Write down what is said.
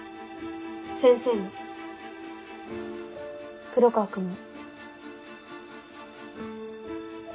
先生も黒川くんも。